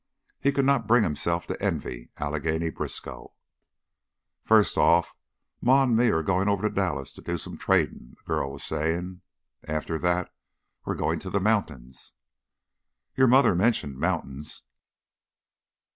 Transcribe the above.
He could not bring himself to envy Allegheny Briskow. "First off, Ma and me are goin' over to Dallas to do some tradin'," the girl was saying. "After that we're goin' to the mountains." "Your mother mentioned mountains."